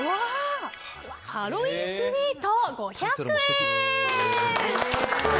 ハロウィンスウィート、５００円。